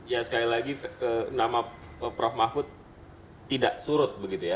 ya sekali lagi nama prof mahfud tidak surut begitu ya